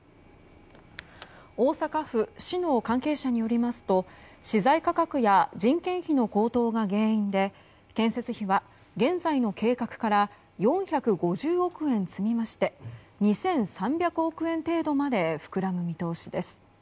大阪府・市の関係者によりますと資材価格や人件費の高騰が原因で建設費は現在の計画から４５０億円積み増して２３００億円程度まで膨らむ見通しです。